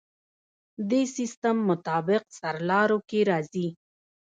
دې سیستم مطابق سرلارو کې راځي.